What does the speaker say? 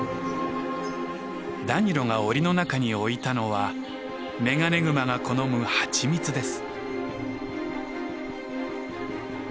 ダニロが檻の中に置いたのはメガネグマが好む蜂蜜です。